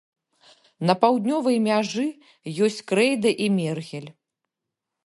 На паўднёвай мяжы ёсць крэйда і мергель.